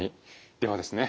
ではですね